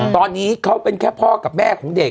ตอนนี้เขาเป็นแค่พ่อกับแม่ของเด็ก